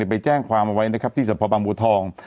ไปแจ้งความเอาไว้ที่สภาพบางบูรทอง